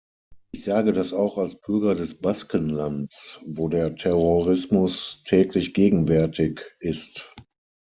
Ich sage das auch als Bürger des Baskenlands, wo der Terrorismus täglich gegenwärtig ist.